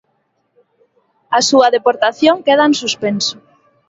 A súa deportación queda en suspenso.